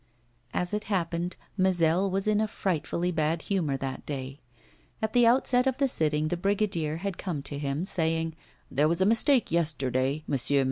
As it happened, Mazel was in a frightfully bad humour that day. At the outset of the sitting the brigadier had come to him, saying: 'There was a mistake yesterday, Monsieur Mazel.